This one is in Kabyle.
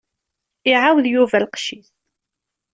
Iɛawed Yuba lqecc-is.